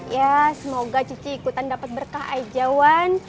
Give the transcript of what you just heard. ya semoga cici ikutan dapat berkah aja one